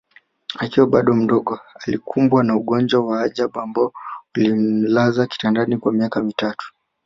Akiwa bado mdogo alikumbwa na ugonjwa wa ajabu ambao ulimlaza kitandani kwa miaka mitatu